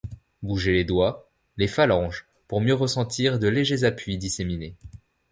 Bouger les doigts, les phalanges, pour mieux ressentir de légers appuis disséminés.